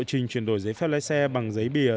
sau lộ trình chuyển đổi giấy phép lái xe bằng giấy bìa